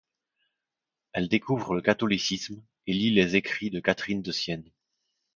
Elle découvre le catholicisme et lit les écrits de Catherine de Sienne.